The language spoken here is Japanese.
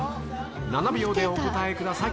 ７秒でお答えください。